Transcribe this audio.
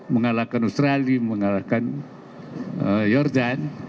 mengalahkan australia mengalahkan jordan